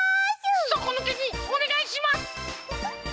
そこぬけにおねがいします！